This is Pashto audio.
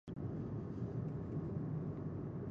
داریوش په امر د بستون پر غره یو ډبر لیک کیندل سوی دﺉ.